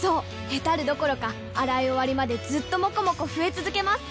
ヘタるどころか洗い終わりまでずっともこもこ増え続けます！